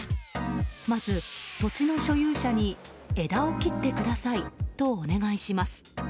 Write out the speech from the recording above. まず土地の所有者に枝を切ってくださいとお願いします。